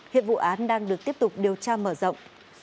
hiện vụ án đang được tiếp tục điều tra mở rộng